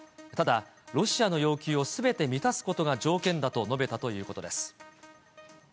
ただ、ロシアの要求をすべて満たすことが条件だと述べたということです。